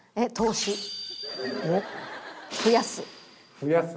増やす？